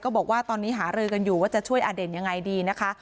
บอกว่าตอนนี้หารือกันอยู่ว่าจะช่วยอเด่นยังไงดีนะคะ